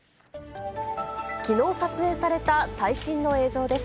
きのう撮影された最新の映像です。